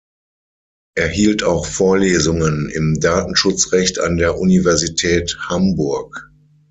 Er hielt auch Vorlesungen im Datenschutzrecht an der Universität Hamburg.